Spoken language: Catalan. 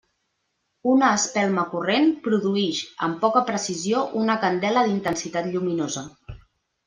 Una espelma corrent produïx amb poca precisió una candela d'intensitat lluminosa.